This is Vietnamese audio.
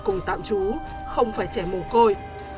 cùng tạm trú không phải trẻ mồ côi